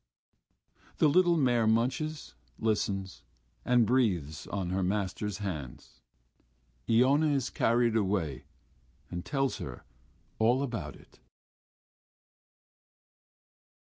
The little mare munches, listens, and breathes on her master's hands. Iona is carried away and tells her all about it.